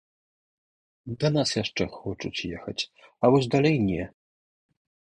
Да нас яшчэ хочуць ехаць, а вось далей не.